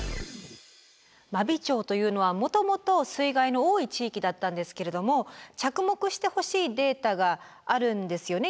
真備町というのはもともと水害の多い地域だったんですけれども着目してほしいデータがあるんですよね